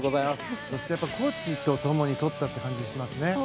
コーチと共にとったという感じがしますね。